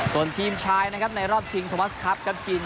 ส่วนทีมชายนะครับในรอบชิงทวัสคลับครับจีน